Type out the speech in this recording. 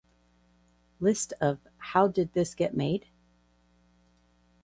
List of How Did This Get Made?